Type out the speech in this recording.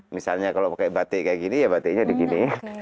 misalnya kalau pakai batik kayak gini ya batiknya digini